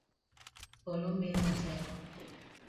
Polo mil matek.